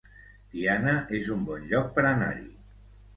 Tiana es un bon lloc per anar-hi